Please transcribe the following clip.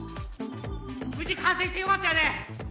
無事完成してよかったよね